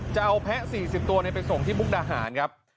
จะเอาแพะ๔๐ตัวไปส่งที่มุกดาหารครับ